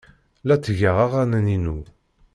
La ttgeɣ aɣanen-inu.